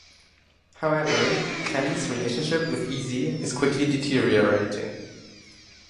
However, Callie's relationship with Easy is quickly deteriorating.